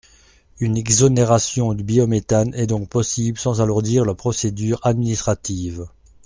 Une exonération du biométhane est donc possible sans alourdir la procédure administrative.